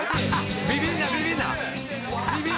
ビビるなビビるな。